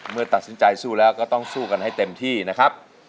เมื่อตัดสินใจสู้แล้วก็ต้องสู้กันให้เต็มที่นะครับ